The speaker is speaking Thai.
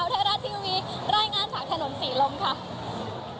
มาสุรีกล่องแก้วขาวไทรละทีวีรายงานสระถนน๔ลมค่ะ